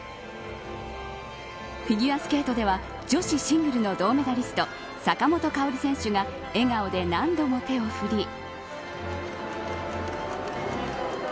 フィギュアスケートでは女子シングルの銅メダリスト坂本花織選手が笑顔で何度も手を振り。